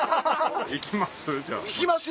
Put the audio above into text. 行きます？